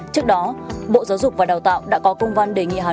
trước đó bộ giáo dục và đào tạo đã có công văn đề nghị hà nội